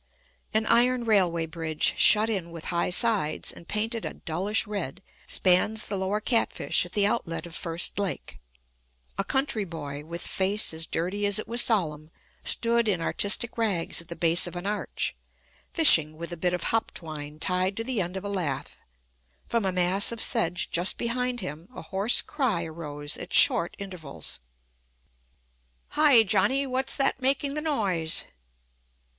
An iron railway bridge, shut in with high sides, and painted a dullish red, spans the Lower Catfish at the outlet of First Lake. A country boy, with face as dirty as it was solemn, stood in artistic rags at the base of an arch, fishing with a bit of hop twine tied to the end of a lath; from a mass of sedge just behind him a hoarse cry arose at short intervals. "Hi, Johnny, what's that making the noise?